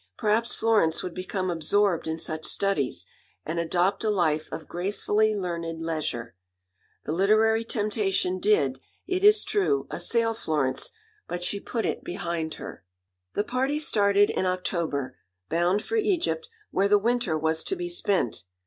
Perhaps Florence would become absorbed in such studies, and adopt a life of gracefully learned leisure. The literary temptation did, it is true, assail Florence, but she put it behind her. The party started in October, bound for Egypt, where the winter was to be spent.